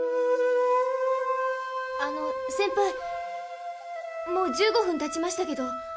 あのセンパイもう１５分たちましたけど。